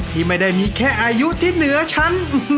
ที่ไม่ได้มีแค่อายุที่เหนือชั้น